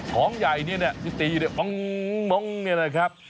ของใหญ่เนี่ยเนี่ยยุติเนี่ยมองมองเนี่ยแหละครับ